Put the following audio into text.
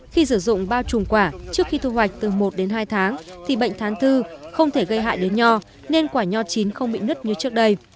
khi sử dụng bao trùm quả trước khi thu hoạch từ một đến hai tháng thì bệnh thán thư không thể gây hại đến nho nên quả nho chín không bị nứt như trước đây